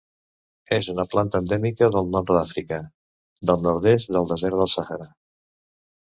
És una planta endèmica del Nord d'Àfrica, del nord-oest del desert del Sàhara.